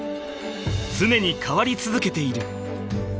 常に変わり続けている］